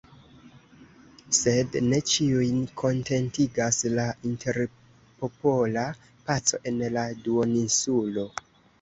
Sed ne ĉiujn kontentigas la interpopola paco en la duoninsulo.